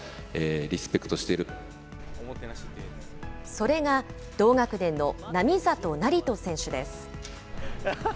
それが同学年の並里成選手です。